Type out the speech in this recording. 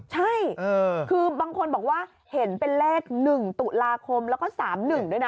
ใช่คือบางคนบอกว่าเห็นเป็นเลข๑ตุลาคมแล้วก็๓๑ด้วยนะ